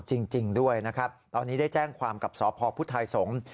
จริงด้วยนะครับตอนนี้ได้แจ้งความกับสพพุทธไทยสงฆ์